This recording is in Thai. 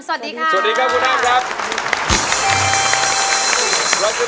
สวัสดีค่ะสวัสดีครับคุณอ้ำครับ